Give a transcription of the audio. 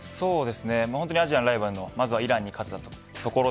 アジアのライバルのイランに勝てたこと。